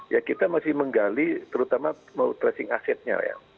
ya kita masih menggali terutama mau tracing asetnya ya